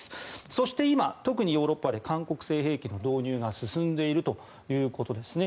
そして今特にヨーロッパで韓国製兵器の導入が進んでいるということですね。